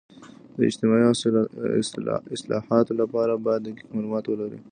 د اجتماعي اصلاحاتو لپاره باید دقیق معلومات ولري.